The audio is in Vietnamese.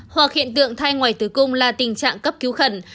hoặc hiện tượng thai ngoài tử cung là tình trạng cấp cứu khẩn